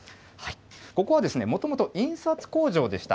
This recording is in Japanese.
ここはもともと印刷工場でした。